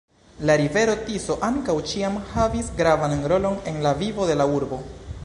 La rivero Tiso ankaŭ ĉiam havis gravan rolon en la vivo de la urbo.